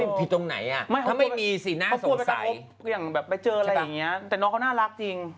อย่างไปเจออะไรอย่างเงี้ยแต่น้องเขาน่ารักจริง